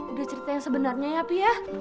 udah cerita yang sebenarnya ya api ya